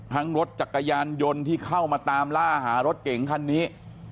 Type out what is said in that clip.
รถจักรยานยนต์ที่เข้ามาตามล่าหารถเก๋งคันนี้